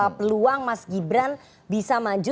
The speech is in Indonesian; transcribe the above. oke jadi tertutup peluang mas gibran bisa maju